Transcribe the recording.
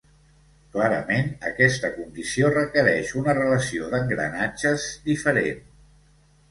Clarament aquesta condició requereix una relació d'engranatges diferent.